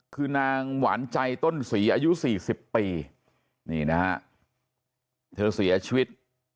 คือนางหวานใจต้นศรีอายุ๔๐ปีนี่นะฮะเธอเสียชีวิต